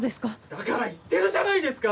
だから言ってるじゃないですか